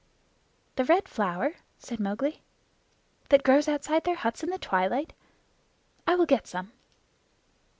"The Red Flower?" said Mowgli. "That grows outside their huts in the twilight. I will get some."